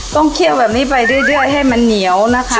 เคี่ยวแบบนี้ไปเรื่อยให้มันเหนียวนะคะ